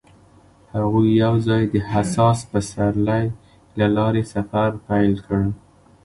هغوی یوځای د حساس پسرلی له لارې سفر پیل کړ.